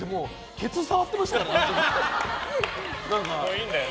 ケツ触ってましたよね。